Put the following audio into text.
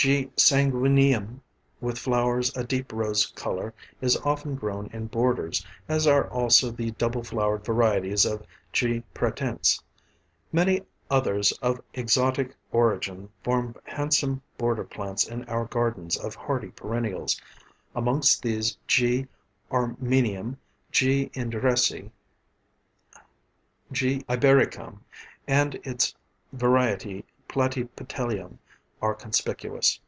G. sanguineum, with flowers a deep rose colour, is often grown in borders, as are also the double flowered varieties of G. pratense. Many others of exotic origin form handsome border plants in our gardens of hardy perennials; amongst these G. armenum, G. Endressi, G. ibericum and its variety platypetalum are conspicuous.